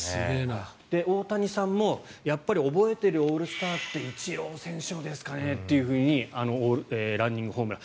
大谷さんもやっぱり覚えてるオールスターってイチロー選手のですかねっていうふうにランニングホームラン。